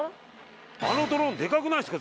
あのドローンデカくないですか？